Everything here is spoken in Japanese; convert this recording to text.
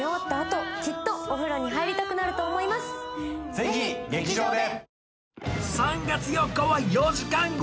ぜひ劇場で！